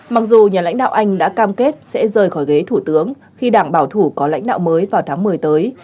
mặc dù nhà lãnh đạo anh đã cam kết sẽ rời khỏi ghế thủ tướng khi đảng bảo thủ có lãnh đạo mới vào tháng một mươi tới